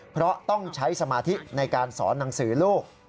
เพราะต้องใช้สมาธิในการสอนหนังสือลูก